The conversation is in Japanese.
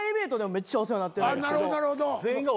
めっちゃお世話になってるんですけど